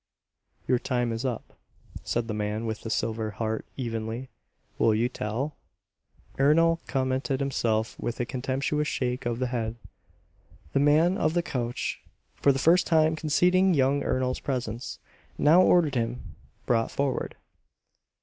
"Your time is up," said the man with the silver heart evenly. "Will you tell?" Ernol contented himself with a contemptuous shake of the head. The man of the couch, for the first time conceding young Ernol's presence, now ordered him brought forward.